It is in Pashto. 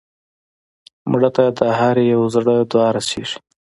مړه ته د هر یو زړه دعا رسېږي